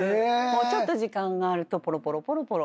ちょっと時間があるとポロポロポロポロ。